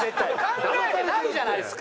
考えてないじゃないですか。